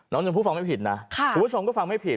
น้องชมพู่ฟังไม่ผิดนะคุณผู้ชมก็ฟังไม่ผิด